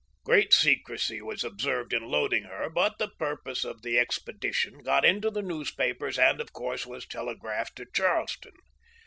Great secrecy was observed in loading her, but the purpose of the expedition got into the newspapers, and, of course, was telegraphed to Charleston.